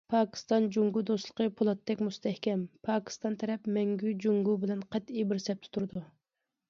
پاكىستان- جۇڭگو دوستلۇقى پولاتتەك مۇستەھكەم، پاكىستان تەرەپ مەڭگۈ جۇڭگو بىلەن قەتئىي بىر سەپتە تۇرىدۇ.